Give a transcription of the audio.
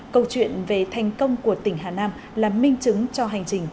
câu chuyện về thành công của tỉnh hà nam là minh chứng cho hành trình